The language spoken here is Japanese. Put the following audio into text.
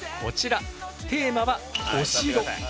テーマはお城！